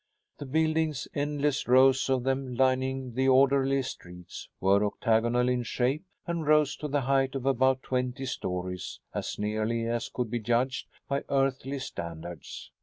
The buildings endless rows of them lining the orderly streets were octagonal in shape and rose to the height of about twenty stories, as nearly as could be judged by earthly standards.